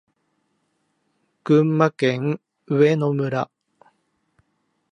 群馬県上野村